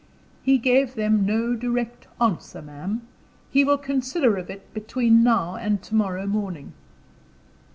"He gave them no direct answer, ma'am. He will consider of it between now and to morrow morning."